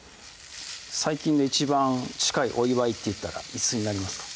最近で一番近いお祝いっていったらいつになりますか？